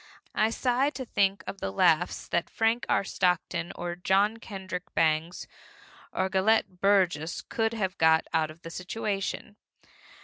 I sigh to think of the laughs that Frank R. Stockton or John Kendrick Bangs or Gelett Burgess could have got out of the situation.